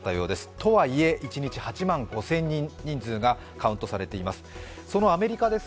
とはいえ一日８万５０００人人数がカウントされています。